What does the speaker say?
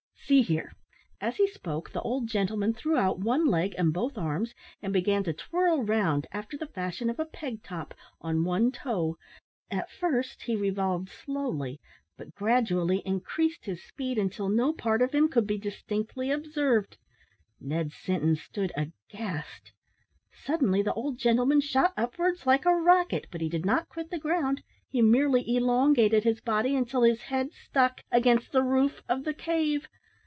See here " As he spoke, the old gentleman threw out one leg and both arms, and began to twirl round, after the fashion of a peg top, on one toe. At first he revolved slowly, but gradually increased his speed, until no part of him could be distinctly observed. Ned Sinton stood aghast. Suddenly the old gentleman shot upwards like a rocket, but he did not quit the ground; he merely elongated his body until his head stuck against the roof of the cave.